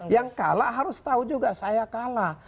yang kalah harus tahu juga saya kalah